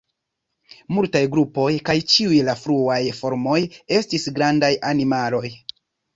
Multaj grupoj, kaj ĉiuj la fruaj formoj, estis grandaj animaloj.